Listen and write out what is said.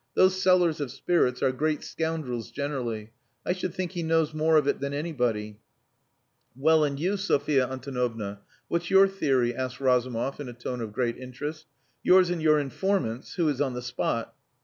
Those sellers of spirits are great scoundrels generally. I should think he knows more of it than anybody." "Well, and you, Sophia Antonovna, what's your theory?" asked Razumov in a tone of great interest. "Yours and your informant's, who is on the spot."